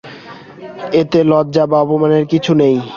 এতে লজ্জা বা অপমানের কিছুই নেই।